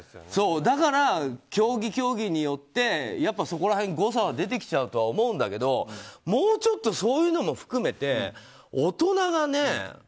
だから競技、競技によってやっぱりそこら辺、誤差は出てきちゃうとは思うんだけどもうちょっとそういうのも含めて大人がね